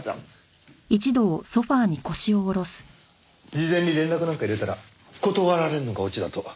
事前に連絡なんか入れたら断られるのがオチだと。